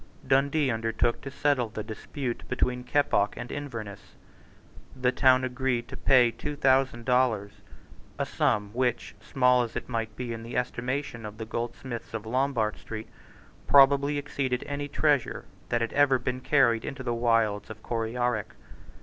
Dundee undertook to settle the dispute between Keppoch and Inverness. The town agreed to pay two thousand dollars, a sum which, small as it might be in the estimation of the goldsmiths of Lombard Street, probably exceeded any treasure that had ever been carried into the wilds of Coryarrick.